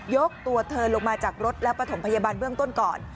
ตัวเธอลงมาจากรถแล้วประถมพยาบาลเบื้องต้นก่อน